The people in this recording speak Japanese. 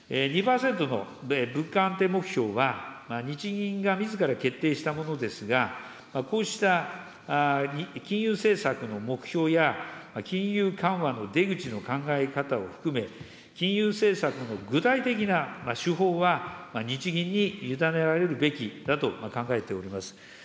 ２％の物価安定目標は、日銀がみずから決定したものですが、こうした金融政策の目標や、金融緩和の出口の考え方を含め、金融政策の具体的な手法は日銀に委ねられるべきだと考えております。